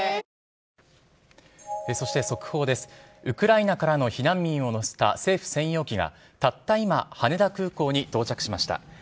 ウクライナからの避難民を乗せた政府専用機が、たった今、羽田空港に到着しました。